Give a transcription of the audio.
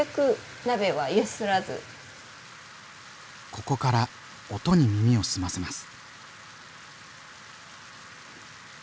ここから音に耳を澄ませます。